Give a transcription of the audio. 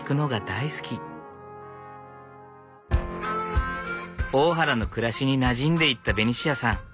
大原の暮らしになじんでいったベニシアさん。